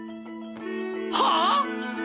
はあ！？